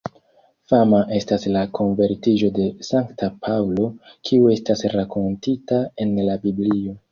Fama estas la konvertiĝo de Sankta Paŭlo, kiu estas rakontita en la Biblio.